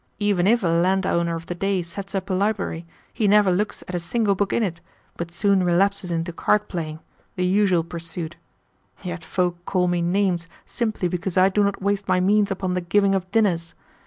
Even if a landowner of the day sets up a library, he never looks at a single book in it, but soon relapses into card playing the usual pursuit. Yet folk call me names simply because I do not waste my means upon the giving of dinners!